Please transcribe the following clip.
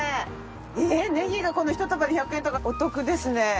えネギがこの１束で１００円とかお得ですね。